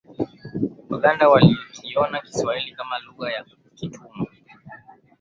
Baganda walikiona kiswahili kama lugha ya kitumwa